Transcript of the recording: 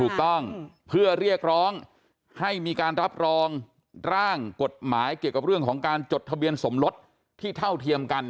ถูกต้องเพื่อเรียกร้องให้มีการรับรองร่างกฎหมายเกี่ยวกับเรื่องของการจดทะเบียนสมรสที่เท่าเทียมกัน